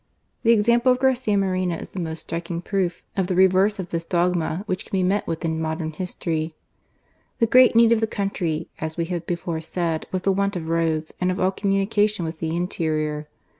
The example of Garcia Moreno is the most striking proof of the reverse of this dogma which can be met with in modern history. The great need of the country, as we have before said, was the want of roads, and of all communica tion with the interior.